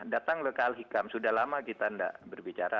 datang lokal hikam sudah lama kita tidak berbicara